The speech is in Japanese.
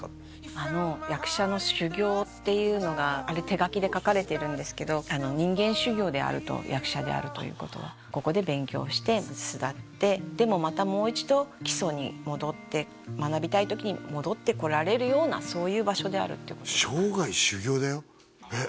あの役者の修業っていうのがあれ手書きで書かれてるんですけどあの人間修業であると役者であるということはここで勉強をして巣立ってでもまたもう一度基礎に戻って学びたい時に戻ってこられるようなそういう場所であるっていうことを生涯修業だよえっ